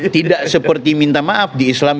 tidak seperti minta maaf di islam